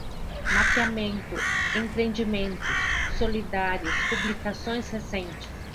Mapeamento, empreendimentos, solidários, publicações recentes